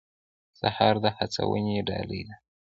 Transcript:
سهار د هڅونې ډالۍ ده.